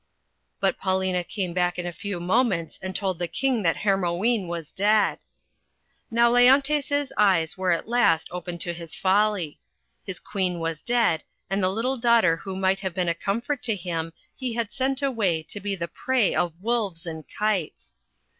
But Paulina came back in a few moments, and told the King that Hermione was dead. Now Leontes' eyes were at last open to his folly. His Queen was dead, and the little daughter who might have been a comfort to hin\ he had sent away to be the prey of wolves and kites.